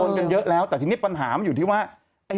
กันเยอะแล้วแต่ทีนี้ปัญหามันอยู่ที่ว่า